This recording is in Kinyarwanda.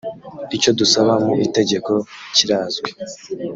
icyo dusanga mu itegeko kirazwi